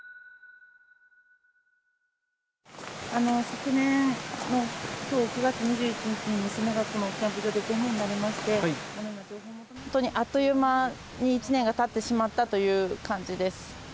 昨年のきょう９月２１日に、娘がこのキャンプ場で行方不明に本当にあっという間に１年がたってしまったという感じです。